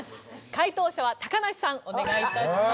解答者は高梨さんお願い致します。